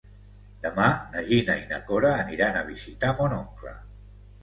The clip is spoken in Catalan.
Demà na Gina i na Cora aniran a visitar mon oncle.